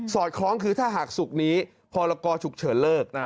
อดคล้องคือถ้าหากศุกร์นี้พรกรฉุกเฉินเลิก